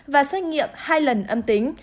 và xét nghiệm hai lần âm tính